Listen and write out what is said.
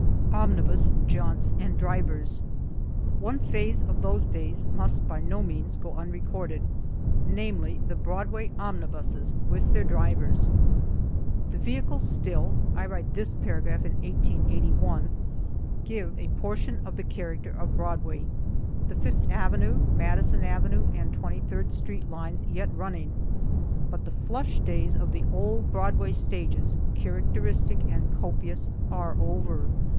OMNIBUS JAUNTS AND DRIVERS One phase of those days must by no means go unrecorded namely, the Broadway omnibuses, with their drivers. The vehicles still (I write this paragraph in 1881) give a portion of the character of Broadway the Fifth avenue, Madison avenue, and Twenty third street lines yet running. But the flush days of the old Broadway stages, characteristic and copious, are over.